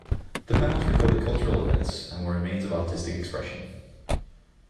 The panels recorded cultural events and were a means of artistic expression.